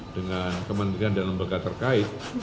dengan kementerian dan lembaga terkait